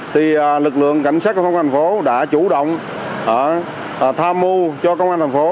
thì lực lượng cảnh sát công an thành phố đã chủ động tham mưu cho công an thành phố